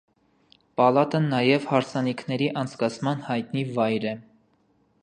Պալատը նաև հարսանիքների անցկացման հայտնի վայր է։